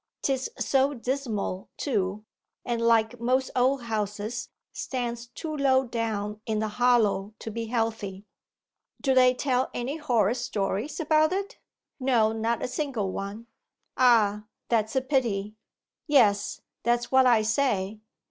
'Tis so dismal, too, and like most old houses stands too low down in the hollow to be healthy.' 'Do they tell any horrid stories about it?' 'No, not a single one.' 'Ah, that's a pity.' 'Yes, that's what I say.